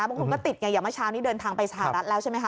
บางคนก็ติดไงอย่างเมื่อเช้านี้เดินทางไปสหรัฐแล้วใช่ไหมคะ